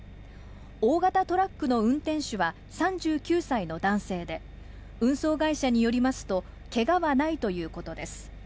大型トラックの運転手は３９歳の男性で、運送会社によりますと、けがはないということです。